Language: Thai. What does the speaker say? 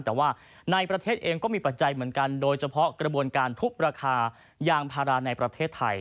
แต่ว่าในประเทศเองก็มีปัจจัยเหมือนกันโดยเฉพาะกระบวนการทุบราคายางพาราในประเทศไทย